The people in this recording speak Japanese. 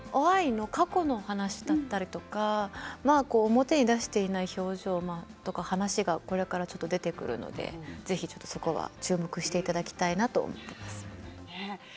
於愛の過去の話とかあったりとか表に出していない表情とか話がこれから出てくるのでぜひそこは注目していただきたいなと思います。